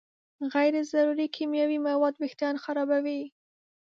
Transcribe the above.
غیر ضروري کیمیاوي مواد وېښتيان خرابوي.